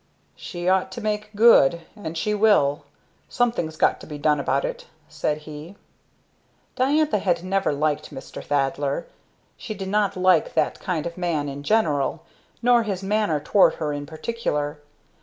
"She ought to make good, and she will. Something's got to be done about it," said he. Diantha had never liked Mr. Thaddler; she did not like that kind of man in general, nor his manner toward her in particular.